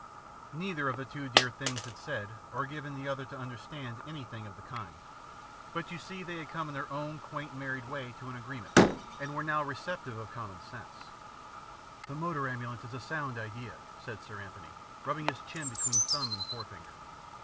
Neither of the two dear things had said, or given the other to understand, anything of the kind. But you see they had come in their own quaint married way to an agreement and were now receptive of commonsense. "The motor ambulance is a sound idea," said Sir Anthony, rubbing his chin between thumb and forefinger.